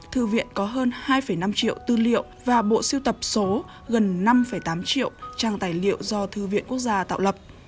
thư viện có hơn hai năm triệu tư liệu và bộ siêu tập số gần năm tám triệu trang tài liệu do thư viện quốc gia tạo lập